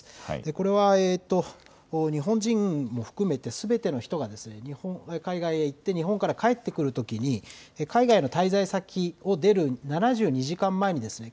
これは日本人も含めて全ての人がですね海外へ行って日本に帰ってくるときに海外の滞在先を出る７２時間前にですね